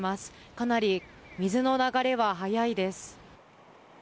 かなり水の流れは速いです。